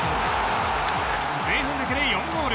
前半だけで４ゴール。